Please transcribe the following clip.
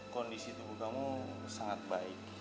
kondisi tubuh kamu sangat baik